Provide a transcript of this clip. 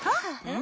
ん？